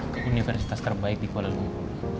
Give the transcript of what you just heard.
ke universitas terbaik di kuala lumpur